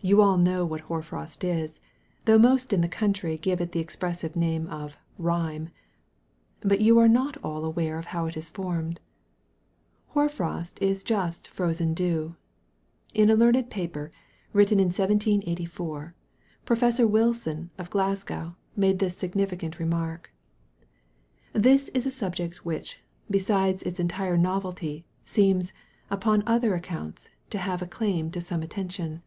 You all know what hoar frost is, though most in the country give it the expressive name of "rime." But you are not all aware of how it is formed. Hoar frost is just frozen dew. In a learned paper, written in 1784, Professor Wilson of Glasgow made this significant remark: "This is a subject which, besides its entire novelty, seems, upon other accounts, to have a claim to some attention."